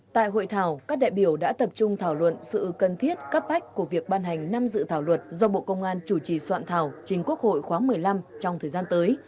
tại hội thảo các đại biểu đã tập trung thảo luận sự cần thiết cấp bách của việc ban hành năm dự thảo luật do bộ công an chủ trì soạn thảo trình quốc hội khóa một mươi năm trong thời gian tới